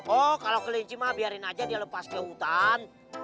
oh kalau kelinci mah biarin aja dia lepas ke hutan